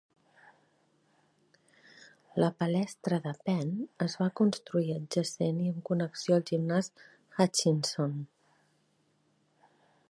La Palestra de Penn es va construir adjacent i amb connexió al gimnàs Hutchinson.